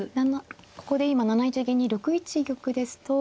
ここで今７一銀に６一玉ですと。